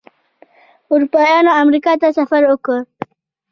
اروپایانو امریکا ته سفر وکړ.